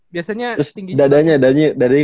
biasanya tingginya terus dadanya